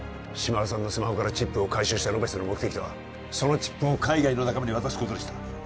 島田さんのスマホからチップを回収したロペスの目的はそのチップを海外の仲間に渡すことでした